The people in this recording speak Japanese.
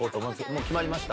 もう決まりました？